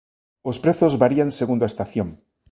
Os prezos varían segundo a estación.